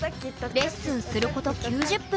レッスンすること９０分。